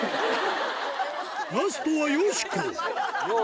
ラストはよしこ用意。